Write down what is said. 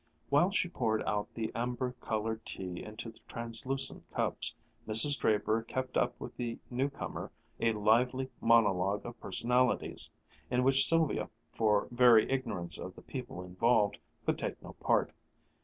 While she poured out the amber colored tea into the translucent cups, Mrs. Draper kept up with the new comer a lively monologue of personalities, in which Sylvia, for very ignorance of the people involved, could take no part.